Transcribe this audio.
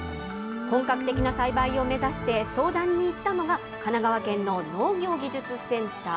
本格的な栽培を目指して相談に行ったのが、神奈川県の農業技術センター。